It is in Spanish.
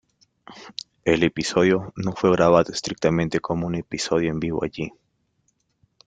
El episodio no fue grabado estrictamente como un episodio en vivo allí.